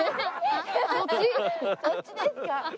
そっちですか？